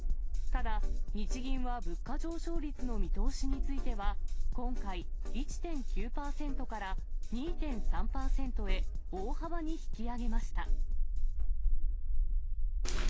ただ、日銀は物価上昇率の見通しについては、今回、１．９％から２．３％へ、大幅に引き上げました。